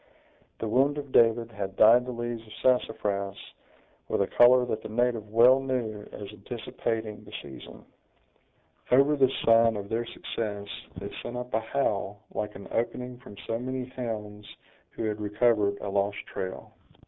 The wound of David had dyed the leaves of sassafras with a color that the native well knew as anticipating the season. Over this sign of their success, they sent up a howl, like an opening from so many hounds who had recovered a lost trail.